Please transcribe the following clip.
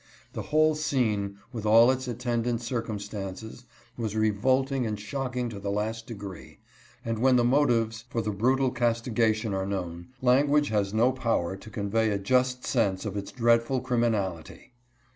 The whole scene, with all its attend ant circumstances, was revolting and shocking to the last degree, and when the motives for the brutal castigation are known, language has no power to convey a just sense of its dreadful criminality.